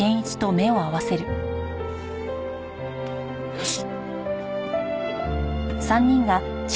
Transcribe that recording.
よし！